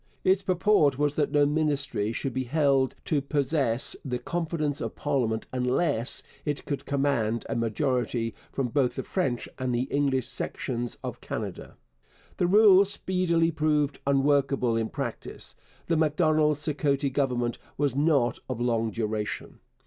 Its purport was that no Ministry should be held to possess the confidence of parliament unless it could command a majority from both the French and the English sections of Canada. The rule speedily proved unworkable in practice. The Macdonald Sicotte Government was not of long duration.